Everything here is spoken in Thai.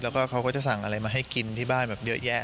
แล้วก็เขาก็จะสั่งอะไรมาให้กินที่บ้านแบบเยอะแยะ